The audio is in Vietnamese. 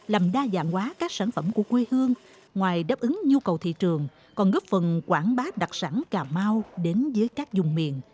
làm đa dạng hóa các sản phẩm của quê hương ngoài đáp ứng nhu cầu thị trường còn góp phần quảng bá đặc sản cà mau đến dưới các dùng miền